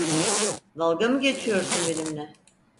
Dalga mı geçiyorsun benimle?